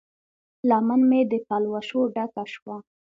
لمن مې د پلوشو ډکه شوه